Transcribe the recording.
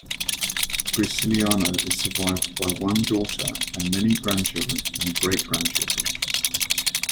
Graciliano is survived by one daughter and many grandchildren and great-grandchildren.